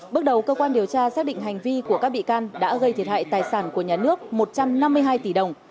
bước đầu cơ quan điều tra xác định hành vi của các bị can đã gây thiệt hại tài sản của nhà nước một trăm năm mươi hai tỷ đồng